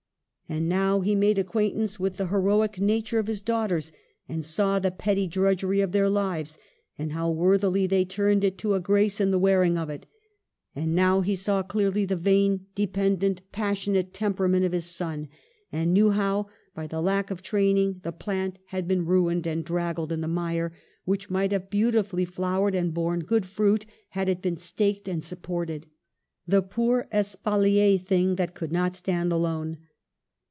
And now he made acquaintance with the heroic nature of his daughters, and saw the petty drudgery of their lives, and how worthily they turned it to a grace in the wearing of it. And now he saw clearly the vain, dependent, passionate tempera ment of his son, and knew how, by the lack of training, the plant had been ruined and draggled in the mire, which might have beautifully flowered and borne good fruit had it been staked and sup ported ; the poor espalier thing that could not stand alone.